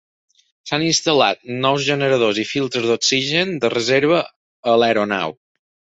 S'han instal·lat nous generadors i filtres d'oxigen de reserva a l'aeronau.